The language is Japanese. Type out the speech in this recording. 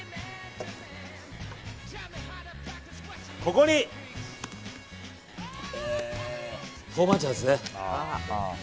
ここに豆板醤ですね。